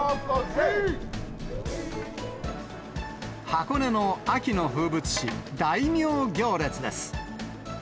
箱根の秋の風物詩、大名行列です。